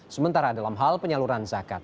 sementara dalam hal penyaluran zakat